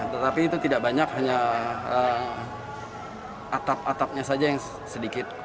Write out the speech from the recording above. tetapi itu tidak banyak hanya atap atapnya saja yang sedikit